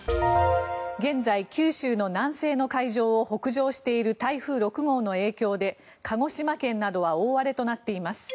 現在、九州の南西の海上を北上している台風６号の影響で鹿児島県などは大荒れとなっています。